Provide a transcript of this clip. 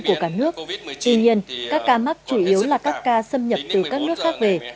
tuy nhiên các ca mắc chủ yếu là các ca xâm nhập từ các nước khác về